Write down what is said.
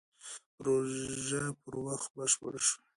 پروژه پر وخت بشپړه شوه.